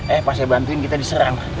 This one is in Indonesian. eh pas saya bantuin kita diserang